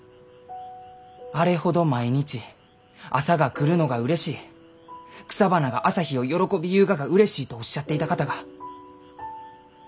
あれほど毎日「朝が来るのがうれしい」「草花が朝日を喜びゆうががうれしい」とおっしゃっていた方が。